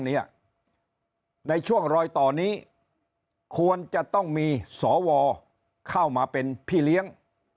ในช่วงรอยต่อนี้ควรจะต้องมีสวเข้ามาเป็นพี่เลี้ยง